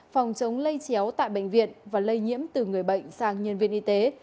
phòng chống lây chéo tại bệnh viện và lây nhiễm từ người bệnh sang nhân viên y tế